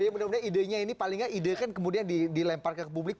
tapi mudah mudahan idenya ini paling nggak ide kan kemudian dilempar ke publik